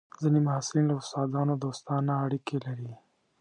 ځینې محصلین له استادانو دوستانه اړیکې لري.